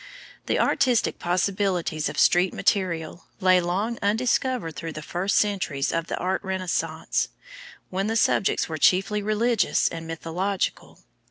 The artistic possibilities of street material lay long undiscovered through the first centuries of the Art Renaissance, when the subjects were chiefly religious and mythological.